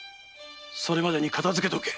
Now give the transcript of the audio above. それまでに片づけておけ！